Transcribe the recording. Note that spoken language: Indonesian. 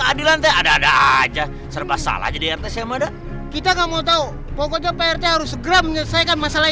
hai mana ini teater adam aja serba salah jadi ertesares kita zam operations gram selesai masalah